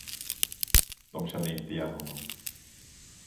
De kände inte igen honom.